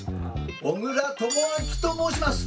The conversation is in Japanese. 小倉智昭と申します。